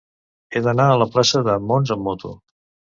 He d'anar a la plaça de Mons amb moto.